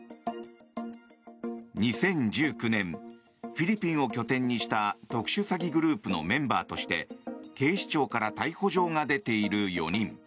２０１９年フィリピンを拠点にした特殊詐欺グループのメンバーとして警視庁から逮捕状が出ている４人。